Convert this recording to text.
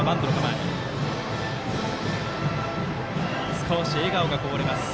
少し笑顔がこぼれます